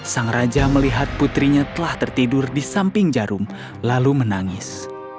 sang raja melihat putrinya telah tertidur di samping jarum lalu menangis